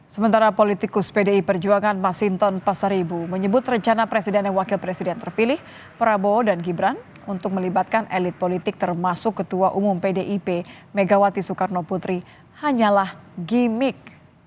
sementara politikus pdi perjuangan masinton pasaribu menyebut rencana presiden dan wakil presiden terpilih prabowo dan gibran untuk melibatkan elit politik termasuk ketua umum pdip megawati soekarno putri hanyalah gimmick